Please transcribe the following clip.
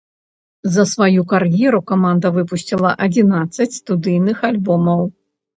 За сваю кар'еру каманда выпусціла адзінаццаць студыйных альбомаў.